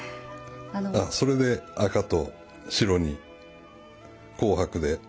それで赤と白に紅白で。